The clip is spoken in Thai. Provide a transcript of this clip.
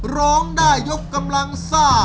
ร้องได้ยกกำลังซ่า